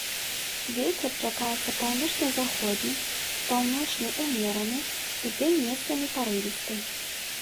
Вецер чакаецца паўночна-заходні, паўночны ўмераны, удзень месцамі парывісты.